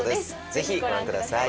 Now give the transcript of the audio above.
ぜひご覧ください。